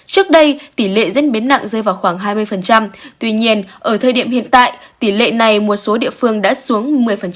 trước đây tỷ lệ diễn biến nặng rơi vào khoảng hai mươi tuy nhiên ở thời điểm hiện tại tỷ lệ này một số địa phương đã xuống một mươi